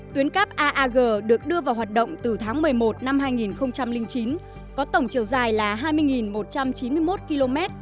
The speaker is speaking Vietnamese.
tuyến cắp aag được đưa vào hoạt động từ tháng một mươi một năm hai nghìn chín có tổng chiều dài là hai mươi một trăm chín mươi một km